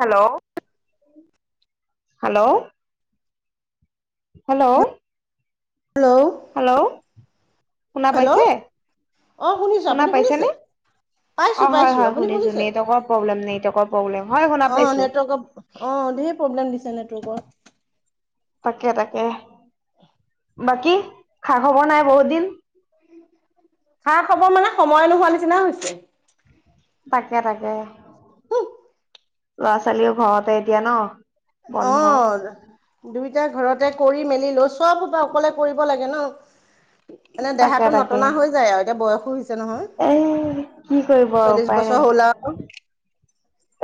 Hello. [unintelligible] Hello hello hello. Hello শুনা পাইছে? Hello অ শুনিছো শুনা আপুনি শুনিছে পাইছেনে? পাইছো অ হয় পাইছো হয় আপুনি শুনিছো, শুনিছে নেটৱকৰ প্ৰব্লেম নেটৱকৰ প্ৰব্লেম, হয় শুনা অ পাইছো। নেটৱৰ্কৰ অ ধেই প্ৰব্লেম দিছে নেটৱৰ্কৰ। তাকে তাকে। [inaudible] বাকী খা খবৰ নাই বহুত দিন। খা খবৰ মানে সময় নোহোৱা নিচিনা হৈছে। তাকে তাকে। ল'ৰা ছোৱালীও ঘৰতে এতিয়া ন? অ বন্ধ দুইটাই ঘৰতে কৰি মেলি লৈ সব হুপা অকলে কৰিব লাগে ন। এনে তাকে দেহাতো তাকে নটনা হৈ যায় আও, এতিয়া বয়সো হৈছে নহয় এ কি কৰিব আৰু চল্লিশ উপায় বছৰ নাই হ'ল আও।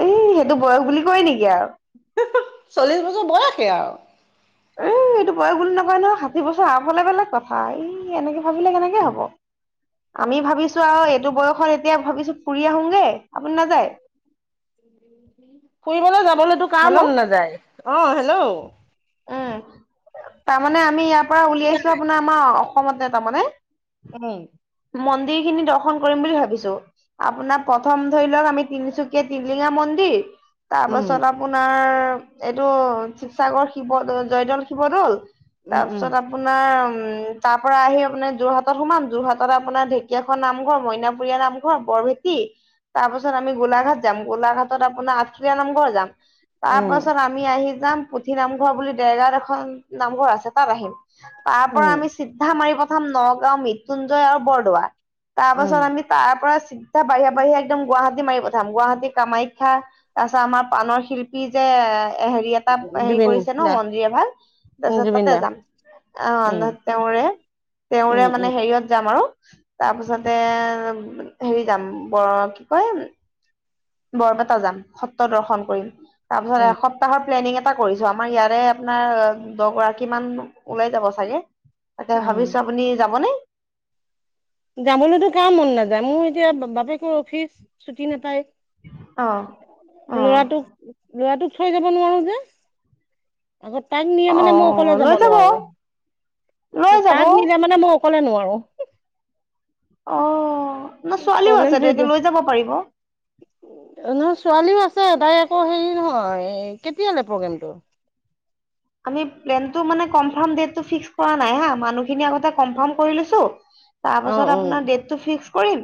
এই সেইটো বয়স বুলি কয় নেকি আও। [unintelligible] চল্লিশ বছৰ বয়সে আও। এই এইটো বয়স বুলি নকয় নহয়, ষাঠি বছৰ আপ হ'লে বেলেগ কথা আও, এই এনেকে ভাবিলে কেনেকে হ'ব! আমি ভাবিছো আও এইটো বয়সত এতিয়া ভাবিছো ফুৰি আহোগে, আপুনি নাযায়? ফুৰিবলে যাবলেতো কাৰ হেল্ল' মন নাযায়, অ হেল্ল'। উম তাৰমানে আমি ইয়াৰ পৰা উলিয়াইছো আপোনাৰ আমাৰ অসমতে তাৰমানে। উম। মন্দিৰ খিনি দৰ্শন কৰিম বুলি ভাবিছো। আপোনাৰ প্ৰথম ধৰি লওক আমি তিনিচুকীয়া তিলিঙা মন্দিৰ উম তাৰপাছত আপোনাৰ এইটো শিৱসাগৰ শিৱদৌল জয়দৌল শিৱদৌল উম উম তাৰপিছত আপ আপোনাৰ তাৰপৰা আহি আপোনাৰ যোৰহাটত সোমাম, যোৰহাটত আপোনাৰ ঢেকীয়াখুৱা নামঘৰ মইনাপুৰীয়া নামঘ ঘৰ বৰভেটি তাৰ পাছত আমি গোলাঘাট যাম, গোলাঘাটত আপোনাৰ আষ্ট্ৰিয়ীয়া নামঘৰ যাম। তাৰ উম পাছত আমি আহি যাম পুথি নামঘৰ বুলি দেৰগাঁওত এখন নামঘৰ আছে তাত আহিম। তাৰ পৰা উম আমি চিধা মাৰি পঠাম নগাঁও মৃত্যুঞ্জয় আৰু বৰদোৱা। উম তাৰপাছত আমি তাৰপৰা চিধা বাহিৰে বাহিৰে একদম গুৱাহাটী মাৰি পঠাম গুৱাহাটী কামাখ্যা তাৰপিছত আমাৰ পাণৰ শিল্পী যে এ হেৰি এটা হেৰি জুবিন কৰিছে ন দা মন্দিৰ এভাগ উম, তাৰপিছত জুবিন দা তাতে যাম। অ উম। তেওঁৰে তেওঁৰে উম, মানে উম, হেৰিয়ত যাম আৰু, তাৰপিছতে হেৰি যাম বৰ কি কয় বৰপেটা যাম সত্ৰ দৰ্শন কৰিম, তাৰপিছত উম। এস তাহৰ প্লেনিং এটা কৰিছো আমাৰ ইয়াৰে আপোনাৰ দহগৰাকী মান ওলাই যাব চাগে। তাকে উম, ভাবিছো আপুনি যাব নে? যাবলেতো কাৰ মন নাযায়, মোৰ এতিয়া বাপেকৰ অফিচ ছুটি নাপায়। অ অ লৰাটোক লৰাটোক থৈ যাব নোৱাৰো যে। আকৌ তাক নিয়ে অ মানে মই অকলে যাব নোৱাৰো, লৈ যাব তাক নিলে মানে মই কলে নোৱাৰোঁ। অ ন ছোৱালীও প্ৰব্লেম আছেতো সেইটো। এতিয়া লৈ যাব পাৰিব। নহয় ছোৱালীও আছে তাই আকৌ হেৰি নহয় কেতিয়ালে প্ৰগ্ৰেমটো আমি প্লেন টো মানে কনফাৰ্ম ডেটতো ফিক্স কৰা নাই হা মানুহখিনি আগতে কনফাৰ্ম কৰি লৈছো। অ', তাৰপাছত আপোনাৰ অ', ডেটতো ফিক্স কৰিম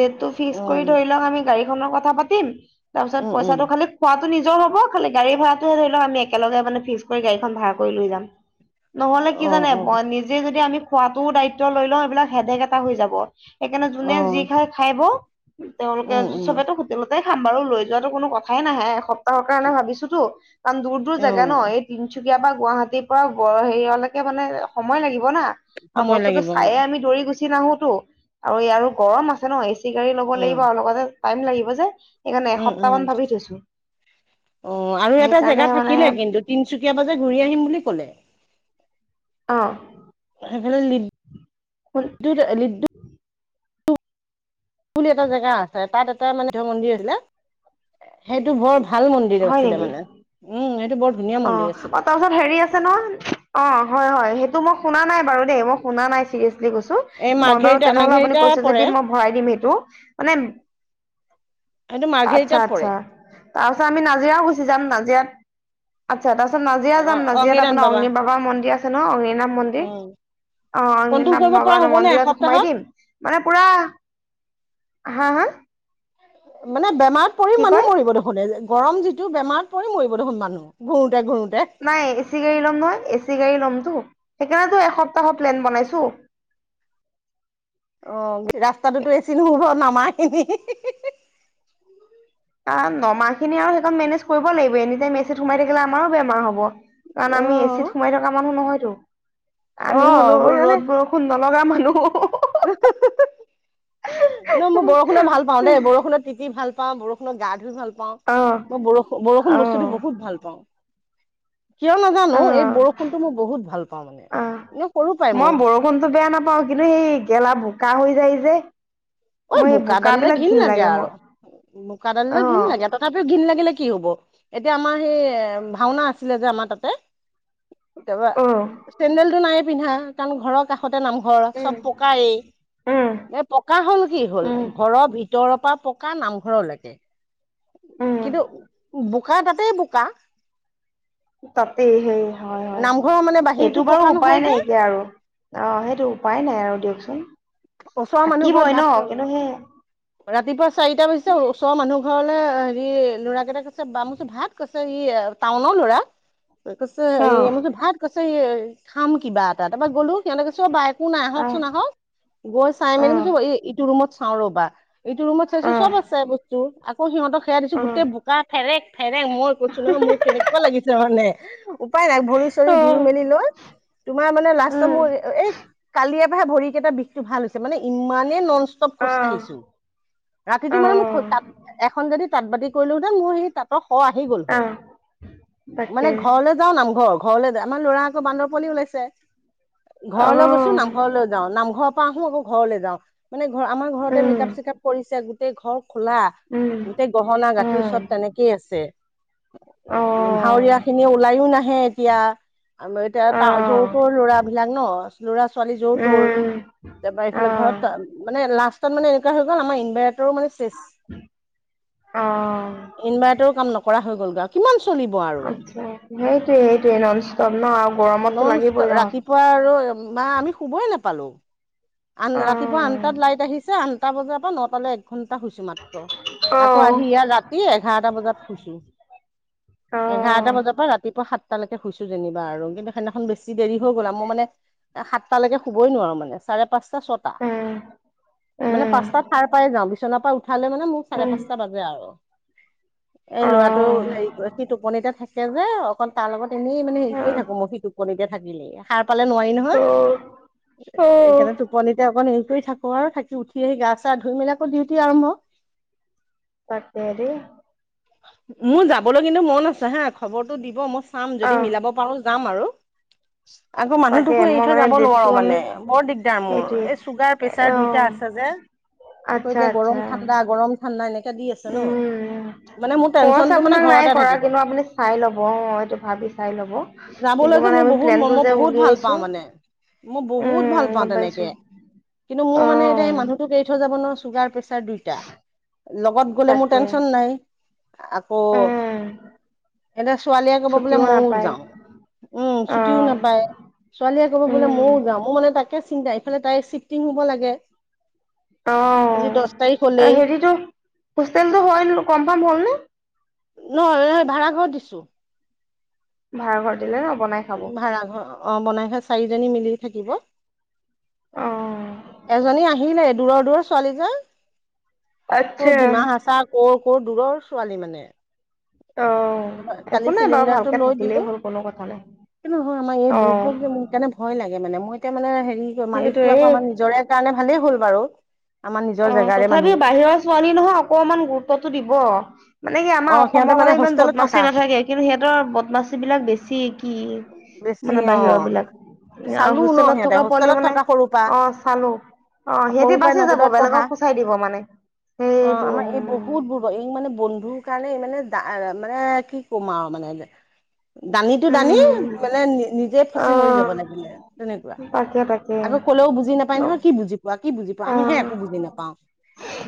ডেটতো ফিক্স কৰি অ', ধৰি লওক আমি গাড়ী মনৰ কথা পাতিম তাৰ পিছত উম, উম, পইচাটো খালি খোৱাটো নিজৰ হ'ব খালি গাড়ী ভাড়াটো ধৰি লওক আমি একেলগে মানে ফিক্স কৰি গাড়ীখন ভাড়া কৰি লৈ যাম। নহলে কি অ', জানে ব অ', নিজে যদি আমি খোৱাটোও দায়িত্ব লৈ লওঁ এইবিলাক হেদেক এটা হৈ যাব। সেইকাৰণে যোনে যি অ', খাই খাই ব তেওঁলোকে উম, উম, চবেতো হো- টেলতে খাম বাৰু লৈ যোৱাটো কোনো কথাই নাহে এসপ্তাহৰ কাৰণে ভাবিছোতো কাৰণ দূৰ দূৰ জেগা ন অ', এই- তিনচুকীয়াৰ পৰা গুৱাহাটীৰ পৰা ব হেৰিয়লৈকে মানে সময় লাগিব না আৰু সময় বস্তুতো লাগিব চাইে আমি দৌৰি গুচি নাহোতো আৰু ইয়াৰ গৰম আছে ন এচি টি গাড়ী ল'ব লাগিব উম, অ লগতে টাইম লাগিব যে সেইকাৰণে উম এসপ্তাহ মান উম ভাবি থৈছো অ আৰু এটা সেইকাৰণে জেগা মানে থাকিলে কিন্তু তিনচুকীয়া পা যে ঘূৰি আহিম বুলি ক'লে অঁ সেইফালে লিড- খোল ডুত লিডুত বুলি এটা জেগা আছে তাত এটা মানে বুদ্ধ মন্দিৰ আছিলে সেইটো বৰ ভা- ভাল মন্দিৰ হয় আছিলে নেকি মানে উম এইটো বৰ ভা- অ অ তাৰপিছত হেৰি আছে ন অ হয় হয় সে- তো মই শুনা নাই বাৰু দেই মই শুনা নাই চিৰিয়াছলি কৈছো এই মই বাৰু মাৰ্ঘেৰিটা তেনেহলে আপুনি মাৰ্ঘেৰিটা কৈছে পৰে যদি মই ভৰাই দিম সেইটো মানে সেইটো আচ্ছা, মাৰ্ঘেৰিটাত পৰে আচ্ছা তাৰপাছত আমি নাজিৰাও গুচি যাম নাজিৰাত, আচ্ছা তাৰপাছত নাজিয়া অ যাম নাজিয়াত অগ্নিনাথ আপোনাৰ অগ্নি বাবা মন্দিৰ আছে ন অগ্নিনাভ মন্দিৰ উম অ কণ্ট্ৰল অগ্নিনাভ কৰিব পৰা হ'ব [unintelligible] নে মন্দিৰত সোমাই এসপ্তাহত দিম মানে পুৰা হা হা মানে বেমাৰত পৰি কি মানুহ কয় মৰিব দেখোন এযে গৰম যি- টো বেমাৰত পৰি মৰিব দেখোন মানুহ ঘূৰোতে ঘূৰোতে নাই এ চি গাড়ী ল'ম নহয় এ চি গাড়ী লম টো সেইকাৰণেতো এসপ্তাহৰ প্লেন বনাইছো। অ ৰাস্তাটোতো এই চি নহব নামাখিনি হি হি হি আ নমাখিনি আৰু সেই কন মেনেজ কৰিব লাগিব এনি টাইম এ চিত সোমাই থাকিলে আমাৰো বেমাৰ হ'ব। কাৰণ অ আমি এ চিত সোমাই থকা মানুহ নহয়তো অ আমি হলেও ৰ'দ বৰ- ষুণ নলগা মানুহ উ হু হু ন মই বৰষুণ ভাল পাওঁ দে বৰষুণত তিতি ভাল পাওঁ, বৰষুণ গা ধুই ভাল পাওঁ অহ মই বৰষু বৰষুণ অহ বস্তুটো বহুত ভাল পাওঁ। কিয় নাজানো অহ এই বৰষুণটো মই বহুত ভাল পাওঁ মানে এনে সৰু পাই মোৰ মনটো বেয়া নাপাওঁ কিন্তু সেই গেলা বোকা হৈ যায় যে ঐ মই এই বোকা বোকাডাললে বিলাক ঘিন ঘিণ লাগে আৰু মোৰ বোকাডাললে অহ ঘিন লাগে ত- তথাপিও ঘিন লাগিলে কি হব এতিয়া আমাৰ সেই এ ভাওনা আছিলে যে আমাৰ তাতে তাৰপা অহ চেন্দেল টো নাইয়ে পিন্ধা কাৰণ ঘৰৰ কাষ- তে নামঘৰ উম চব পকাৰ এই উম এ পকা হ'ল কি হ'ল উম ঘৰৰ ভিতৰৰ পৰা পকা নামঘৰলেকে উম কিন্তু বোকা তাতেই বোকা তাতেই সেই হয় হয় নামঘৰৰ মানে বাহিৰতো এইটো বাৰু পকা উপায় নহয় যে নাইকিয়া আৰু অঁ সেইটো উপায় নাই আৰু দিয়কচোন, ওচৰৰ মানুহ ঘৰত থাকিবই ভাত ন কিন্তু সেই ৰাতিপুৱা চাৰিটা বাজিছে ওচৰ মানুহ ঘৰলে হেৰি ল'ৰাকেইটাক কৈছে বামছো ভাত কৈছে ই টাউনৰ ল'ৰা। [inaudible] কৈছে এ সেই মোৰ ভাত কৈছে এ খাম কিবা এটা, তাৰপা গ'লো তেওঁলোকে চুওক বা একো নাই অ আহকচোন আহক গৈ চাই অ অ মেলি মই ইটো ৰুমত চাওঁ ৰ'বা। এইটো ৰুমত অ চাইছো চব আছে বস্তু, আকৌ সিহঁক সেয়া দিছো অ গোটেই বোকা ফেৰেক ফেৰেক মই কৈছো নহয় মোৰ কেনেকুৱা লাগিছে মানে উপায় নাই ভৰি অ চৰি ধুই মেলি লৈ। তোমাৰ মানে লাষ্ট উম মোৰ এই কালিৰ পৰাহে ভৰিকেইটা বিষটো ভাল হৈছে মানে ইমানে নন ষ্টপ অ খোজকাঢ়িছো। ৰাতিটো অ মানে মোক তাঁত এখন যদি তাঁত বাতি কৰিলোহেতেন মোৰ সেই তাঁত খ আহি গ'ল অ হয়, তাকে মানে ঘৰলৈ যাও নামঘৰ ঘৰলৈ যায়, আমাৰ ল'ৰা আকৌ বান্দৰ পোৱালী ওলাইছে। অ ঘৰলৈ গৈছো উম নামঘৰলৈ যাওঁ নামঘৰৰ পৰা আহো আকৌ ঘৰলে যাওঁ। মানে ঘৰ আমাৰ ঘৰতে উম মেকআপ চেকআপ কৰিছে গোটেই ঘৰ খোলা। গোটেই গহনা গাঠৰি উম চব তেনেকেই আছে। অ ভাৱৰীয়া খিনি ওলাইও নাহে এতিয়া, আৰু এতিয়া অ ত যোৰ তোৰ ল'ৰা বিলাক ন। ল'ৰা ছোৱালী যোৰ তৰ, উম তাৰপৰা অ এইফালে ঘৰত মানে লাষ্টত মানে এ হৈ গ'ল আমাৰ ইনভাৰটৰো মানে চেছ। অঁ ইনভাৰ্টাৰো কাম নকৰা হৈ গ'ল আৰু কিমান চলিব আও। আচ্ছা, সেইটোৱে সেইটোৱে নন ষ্টপ ন আৰু গৰমতো লাগিবই নহ। পোৱা আৰু বা আমি শুবই নাপালো। আন অ ৰাতিপুৱা আনটাত লাইট আহিছে, আন টা বজাৰ পৰা নটালে এঘন্টা শুইছো মাত্ৰ, অ আকৌ আহি ইয়াত ৰাতি এঘাৰটা বজাত শুইছো। অ এঘাৰটা বজাৰ পৰা ৰাতিপুৱা সাত সাতটালৈকে শুইছো যেনিবা আৰু কিন্তু সেইদিনাখন বেছি দেৰি হৈ গল মই মানে সাতটালৈকে শুবই নোৱাৰো মানে। চাৰে পাঁচটা ছটা, উম মানে উম পাঁচটা সাৰ পাই যাওঁ বিচনাৰ পৰা উঠালে মানে মোক চাৰে উম পাঁচটা বাজে আৰু, এই অ লৰাটো হেৰি কৰে সি টোপনিতে থাকে। কে যে অকল তাৰ লগত এনেই মানে হেৰি কৰি থাকো মই সিটো কল এতিয়া থাকিলেইও, সাৰ পালে নোৱাৰি নহয়। অ নহয় এ সেইকাৰনে টোপনিতে অকণ হেৰি কৰি থাকো আৰু থাকি উঠি আহি গা চা ধুই মেলি আকৌ ডিউটি আৰম্ভ। তাকে দেই। মোৰ যাবলৈ কিন্তু মন আছে হা খবৰটো দিব মই চাম অ যদি মিলাব পাৰো যাম আৰু। আকৌ তাকে মানুহটোকো এৰি মই থৈ মানে যাব ডেটটো নোৱাৰো আমি মানে, বৰ দিগ চুগাৰ সেইটোৱে প্ৰেচাৰ অ দুইটা আছে যে, আকৌ আচ্ছা এতিয়া আচ্ছা গৰম ঠাণ্ডা গৰম ঠাণ্ডা এনেকাে দি আছে ন। মানে মোৰ ফৰচ টেনচনটো মানে আপোনাক ঘৰতে নাই কৰা, থাকিব কিন্তু আপুনি চাই ল'ব অ এইটো ভাবি চাই ল'ব। কিন্তু যাবলৈ যে মানে মোৰ আমি বহুত ম প্লেনটো মই যে বহুত ভাল উলিয়াইছো পাও মানে মই বহুত উম ভাল। পাঁও গম পাইছো তেনেকে, কিন্তু অ মোৰ মানে এতিয়া মানুহটো এৰি থৈ যাব নোৱাৰো চুগাৰ পে দুইটা, লগত গ'লে মোৰ তাকে টেনচন নাই আকৌ উম এতিয়া ছোৱালীয়ে ক'ব বোলে ছুটিও মইয়ও নাপায় যাওঁ। উম অ ছুটিও নাপায়। ছোৱালীয়ে ক'ব বোলে ময়ও উম যাম। অ মানে তাকে চিন্তা ইফালে তাই চিফ্টিং হ'ব লাগে। অ আজি দহ তাৰিখ হ'লেই হেৰিতো হোষ্টেলতো হয় কনফাৰ্ম হ'ল নে? নহয় নহয় ভাড়া ঘৰত দিছো। ভাৰ ঘৰ দিলে ন বনাই খাব ভাড়া ঘৰ, অ বনাই ঘ চাৰিজনী মিলি থাকিব। অ এজনী আহিলে দূৰৰ - দূৰৰ ছোৱালীজন। ক' আচ্ছা ডিমা হাচা, কৰ কৰ দূৰৰ ছোৱালী মানে। অ তাৰপৰা একো কালি নাই বাৰু চিলিণ্ডাৰটো ভালকে লৈ দিলো থাকিলেই হ'ল, কোনো কথা নাই অ। সেইকাৰণে ভয় লাগে মানে মই এতিয়া মানে হেৰি মালিকটো আকৌ আমাৰ সেইটোৱে নিজৰে কাৰণে ভালেই হ'ল বাৰু। আমাৰ নিজৰ অ জেগাৰে তথাপি মানুহ বাহিৰৰ ছোৱালী নহয় অকমান গুৰুত্বটো দিব। মানে কি আমাৰ অ অসমৰ সিহঁতে ফালে মানে ইমান হোষ্টেলত বদমাচি থকা নাথাকে কিন্তু সিহঁতৰ বদমাচিবিলাক বেছি কি বেছি মানে অ বাহিৰৰবিলাক। আৰু চালো ন হোষ্টেলত থকা সিহঁতে পোৱালি হোষ্টেলত মানে থকা সৰু পৰা অ চালো অ সিহঁতে সৰু পৰাই বাচি যাব। নৱোদয়ত পঢ়া বেলেগক পুচাই দিব মানে সেইটো উম। ই মানে বন্ধুৰ কাৰণে মানে দা মানে কি ক'ম আৰু মানে যে। দানিটো দানি উম, মানে নি নিজে ফচি মৰি যাব অ'। লাগিলে তেনেকুৱা। তাকে তাকে আকৌ কলেও বুজি নাপায় অ'। নহয় কি বুজি পোৱা কি বুজি পোৱা আমিহে একো বুজি নাপাওঁ।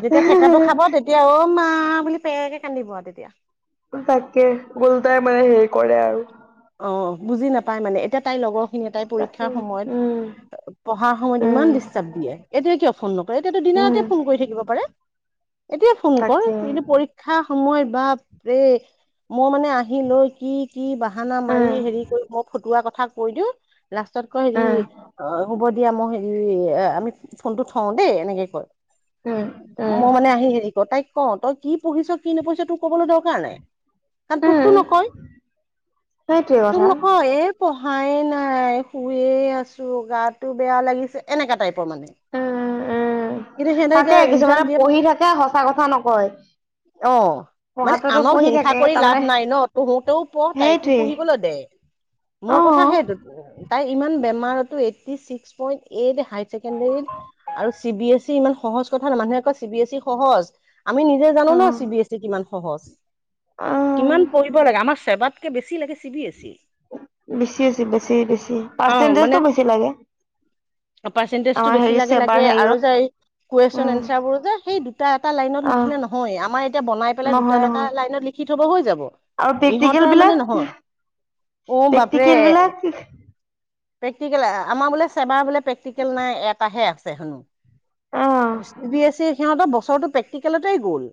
যেতিয়া ঠেকাটো খাব তেতিয়া অ মা বুলি পেকে কান্দিব আৰু তেতিয়া। তাকে ওলটাই মানে হেৰি কৰে আৰু। অ বুজি নাপায় মানে এতিয়া তাইৰ লগৰখিনি তাই তাকে পৰীক্ষাৰ উম, সময়ত পঢ়াৰ সময়ত উম, ইমান ডিষ্টাৰ্ব দিয়ে। এতিয়া কিয় ফোন নকৰে? এতিয়াতো উম। দিনে-ৰাতিয়ে ফোন কৰি থাকিব পাৰে। এতিয়া ফোন কৰ তাকে কিন্তু পৰী ক্ষাৰ সময়ত বাপৰে! মই মানে আহি লৈ কি কি বা হানা উম মৰি হেৰি কৰি মই ফটোৱা কথা কৈ দিওঁ, লাষ্টত কৈ সি উম অ হ'ব দিয়া মই হেৰি এ আমি ফোনটো থওঁ দেই এনেকে কয়। উম উম মই মানে আহি হেৰি ক তাইক কওঁ তই কি পঢ়িছ কি নপঢ়িছ তোৰ ক'বলৈ দৰকাৰ নাই। তাক উম তোকতো নক। সেইটোৱে তোক কথা নকয় এই পঢ়াই নাই, শুইয়ে আছোঁ, গাটো বেয়া লাগিছে, এনেকা টাইপৰ মানে। উম উম, কিন্তু সিহঁতে তাকে এতিয়া কিছুমানে ৰিজাল্ট দিয়ে পঢ়ি থাকে সঁচা কথা নকয়। অ মানে পঢ়াটোতো আনক পঢ়ি হিংসা থাকে কৰি তাৰমানে লাভ নাই ন তোৰ মতেও পঢ়, তাইকো সেইটোৱে পঢ়িবলৈ দে। অ মোৰ কথা সেইটো। তাই ইমান বেমাৰতো, eighty six point eight high ছেকেণ্ডৰীত। আৰু চি বি এছ চি ইমান সহজ কথা নহয়। মানুহে কয়, চি বি এছ ই সহজ। আমি নিজে অ জানোঁ ন, চি বি এছ ই কিমান সহজ? অ কিমান পঢ়িব লাগে। আমাৰ চেবাতকে বেছি লাগে চি বি এছ ই। বেছি আছে, বেছি বেছি অ মানে পাৰ্চেন্টেজটো বেছি লাগে। পাৰ্চেন্টেজটো আমাৰ বেছি হেৰি লাগে চেবাৰ লাগে আৰু হেৰিয়ত যে এই উম কুৱেশন-এনচাৰবোৰ যে সেই দুটা এটা লাইনত অ লিখিলে নহয়। আমাৰ এতিয়া বনাই পেলাই দুটা নহয় এটা নহয় লাইনত লিখি থব হৈ যাব। আৰু প্ৰেক্টিকেল ইহঁতৰ মানে বিলাক নহয়। উ, বাপৰে! প্ৰেক্টিকেল বিলাক প্ৰেক্টিকেল, আমাৰ বোলে চেবাৰ বোলে প্ৰেক্টিকেল নাই এটাহে আছে হেনো। অ চি বি এছ ই সিহতৰ বছৰটো পে টিকেলতে গ'ল।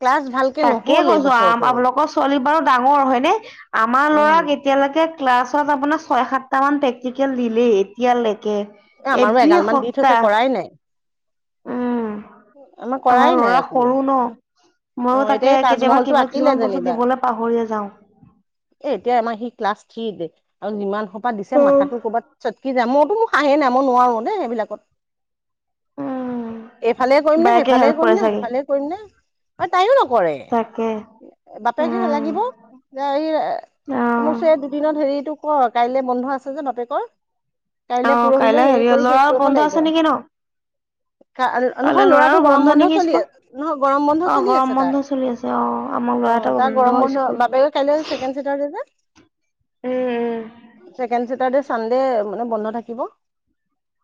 ক্লাছ ভালকে তাকে নহ'ল এই কৈছোঁ, আ বছৰটো আপোনালোকৰ ছোৱালী বাৰু ডাঙৰ হয়নে, আমাৰ উম ল'ৰাক এ এতিয়ালৈকে ক্লাছত আপোনাৰ ছয়-সাতটা মান প্ৰেক্টিকেল দিলেই এতিয়ালৈকে। এ আমাৰো এভৰি এগাল মান দি থৈছে সপ্তাহ কৰাই নাই উম, কৰাই আমাৰ নাই ল'ৰা একো সৰু ন। অ মইও তাকে, এতিয়া এই কেতিয়াবা তাজমহলটো কিবা আঁকিলে কিছুমান বস্তু যেনিবা দিবলে পাহৰিয়ে যাও। এ, এতিয়া আমাৰ সি ক্লাছ থ্ৰীতে আৰু যিমান সোপা দিছে, মাথাটো কৰবাত চটকি যাই মই বোলো মোৰ সাহে নাই মই নোৱাৰো দেই সেইবিলাকত। উম এইফালে কৰিম নে বায়েকে সেইফালে হেল্প কৰিম কৰে নে? চাগে সেইফালে কৰিম নে? আৰু তাইও নকৰে। তাকে বাপেকে উম সলাগিব অ এই কৈছে দুদিনত হেৰিটো কৰ কাইলে বন্ধ আছে যে, বাপেকৰ। অ কাইলে, পৰহিলৈ কাইলৈ হেৰি কৰি শেষ ল'ৰাৰ কৰিব বন্ধ লাগিব আছে আ নেকি ন কাইলৈ নহয়, ল'ৰাৰো ল'ৰাটো গৰম বন্ধ নেকি চলি স্কুল আছে নহয় গৰম বন্ধ অ চলি গৰম আছে বন্ধ তাৰ। চলি আছে আমাৰ অ, ল'ৰা এটা তাৰ গৰম বন্ধ স্কুল বাপেকৰ কাইলে ছেকেণ্ড চেটাৰডে যে, উম ছেকেণ্ড চেটাৰডে, চানডে মানে বন্ধ থাকিব।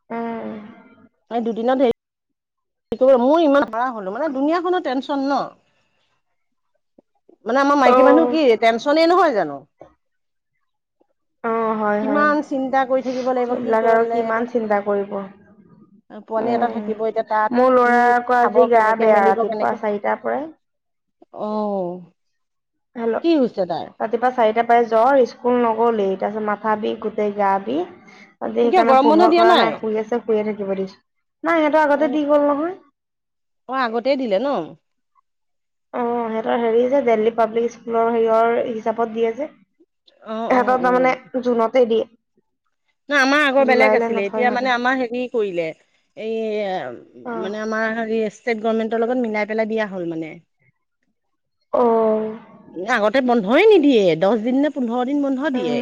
উম দুদিনতে হেৰি, মোৰ ইমান নোৱাৰা হ'লো মানে, দুনীয়াখনৰ টেনচন ন। মানে, আমাৰ উম অ মাইকী মানুহ কি টেনচনে নহয় জানো অ অ, হয় হয় কিমান চিন্তা কৰি থাকিব লাগিব কি সেবিলাক আৰু কৰিলে কিমান এতিয়া চিন্তা কৰিব। পোৱালি এটা উম, থাকিব এতিয়া তাত মোৰ কি লৰা আকৌ খাব আজি গা কেনেকে বেয়া মেলিব ৰাতিপুৱা কেনেকে চাৰিটাৰ পৰাই। অ হেল্ল কি হৈছে তাৰ বাত ৰাতিপুৱা চাৰিটা পাই জ্বৰ স্কুল নগলেই। তাৰপিছত মাথা বিষ, গোটেই গা বিষ। ৰাতি এতিয়া সেইকাৰণে গৰম বন্ধ পঢ়িব দিয়া পৰা নাই। শুই আছে, শুয়ে থাকিব দিছো। নাই, সিহঁতৰ অ আগতে দি হ'ল নহয়। অ, আগতেই দিলে ন। অ সিহঁতৰ হেৰি যে দেল্হী পাব্লিক স্কুলৰ হেৰিয়ৰ হিচাপত দিয়ে যে। অ অ ইহঁতক অ তাৰমানে জুনতে দিয়ে। না আমাৰ আগৰ বেলেগ জুলাইলৈ আছিলে নথয় এতিয়া সিহঁতৰ মানে আমাৰ হেৰি কৰিলে এইয়ে মানে আমাৰ হেৰি ষ্টেট গভৰ্মেণ্টৰ লগত মিলাই পেলাই দিয়া হল মানে, অ অ আগতে বন ন্ধই নিদিয়ে দহ দিন নে পোন্ধৰ দিন বন্ধ উম দিয়ে।